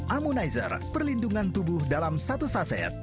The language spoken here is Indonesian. ammonizer perlindungan tubuh dalam satu saset